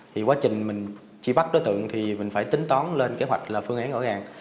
thì quá trình mình chỉ bắt đối tượng thì mình phải tính toán lên kế hoạch là phương án gõ gàng